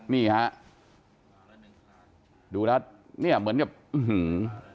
นี่ฮะดูแล้วเนี่ยเหมือนกับอื้อหือ